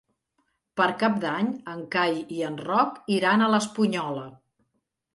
Per Cap d'Any en Cai i en Roc iran a l'Espunyola.